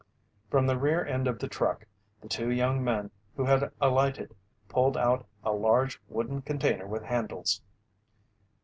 From the rear end of the truck, the two young men who had alighted, pulled out a large wooden container with handles.